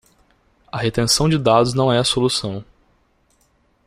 A retenção de dados não é a solução!